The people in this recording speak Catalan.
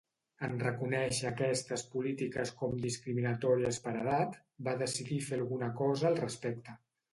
En reconèixer aquestes polítiques com discriminatòries per edat, va decidir fer alguna cosa al respecte.